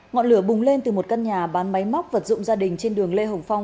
ngọn lửa bùng lên từ một căn nhà bán máy móc vật dụng gia đình trên đường lê hồng phong